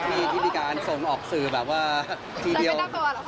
ที่มีการส่งออกสื่อแบบว่าทีเดียว